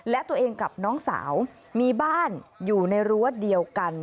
และตัวเองกับน้องสาวมีบ้านอยู่ในรั้วเดียวกัน